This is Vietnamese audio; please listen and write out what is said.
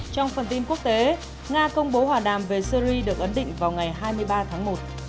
trong phần tin quốc tế nga công bố hòa đàm về syri được ấn định vào ngày hai mươi ba tháng một